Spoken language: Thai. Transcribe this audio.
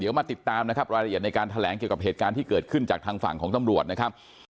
เดี๋ยวมาติดตามนะครับรายละเอียดในการแถลงเกี่ยวกับเหตุการณ์ที่เกิดขึ้นจากทางฝั่งของตำรวจนะครับ